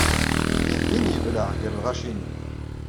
Dindin yebleɛ gar lɣaci-nni.